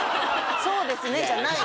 「そうですね」じゃない。